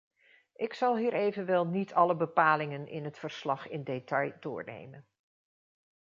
Ik zal hier evenwel niet alle bepalingen in het verslag in detail doornemen.